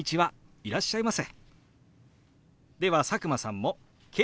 いらっしゃいませ」。